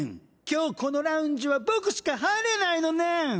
今日このラウンジは僕しか入れないのねん。